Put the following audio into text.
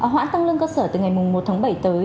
hoãn tăng lương cơ sở từ ngày một tháng bảy tới